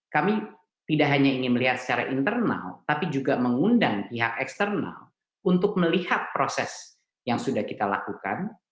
kami tidak hanya ingin melihat secara internal tapi juga mengundang pihak eksternal untuk melihat proses yang sudah kita lakukan